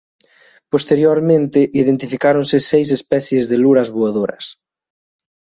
Posteriormente identificáronse seis especies de luras voadoras.